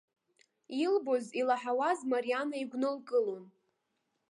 Илбоз, илаҳауаз марианы игәнылкылон.